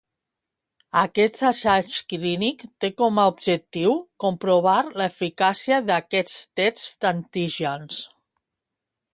Aquest assaig clínic té com a objectiu comprovar l'eficàcia d'aquests tests d‟antígens.